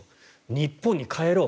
日本に帰ろう。